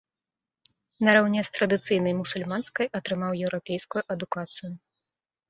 Нараўне з традыцыйнай мусульманскай атрымаў еўрапейскую адукацыю.